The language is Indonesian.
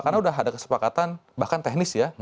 karena sudah ada kesepakatan bahkan teknis ya